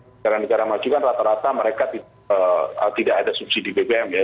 negara negara maju kan rata rata mereka tidak ada subsidi bbm ya